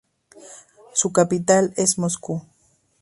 Su capital es Moscú.